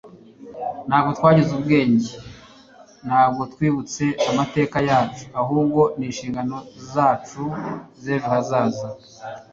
ntabwo twagize ubwenge ntabwo twibutse amateka yacu, ahubwo ni inshingano z'ejo hazaza